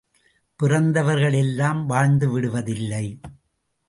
பிறந்தவர்கள் எல்லாம் வாழ்ந்து விடுவதில்லை.